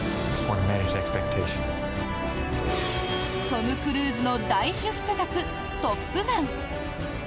トム・クルーズの大出世作「トップガン」。